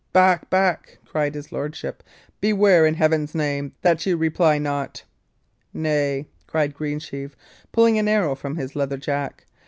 "Back! back!" cried his lordship. "Beware, in Heaven's name, that ye reply not." "Nay," cried Greensheve, pulling an arrow from his leather jack.